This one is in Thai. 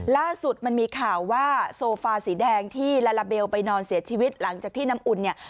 ล่าสุดมันมีข่าวว่าโซฟาสีแดงที่ลาลาเบลไปนอนเสียชีวิตหลังจากที่น้ำอุ่นเนี่ย